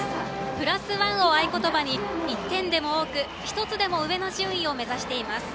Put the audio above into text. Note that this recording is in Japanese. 「プラスワン」を合言葉に１点でも多く１つでも上の順位を目指しています。